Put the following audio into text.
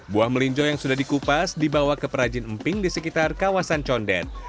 buah melinjo yang sudah dikupas dibawa ke perajin emping di sekitar kawasan condet